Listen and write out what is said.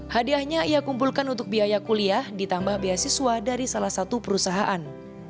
hadiahnya ia kumpulkan untuk biaya kuliah ditambah beasiswa dari salah satu perusahaan